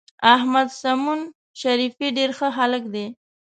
احمد سمون شریفي ډېر ښه هلک دی.